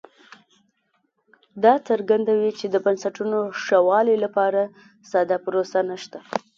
دا څرګندوي چې د بنسټونو ښه والي لپاره ساده پروسه نشته